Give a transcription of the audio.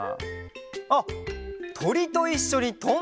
あっとりといっしょにとんでみたい！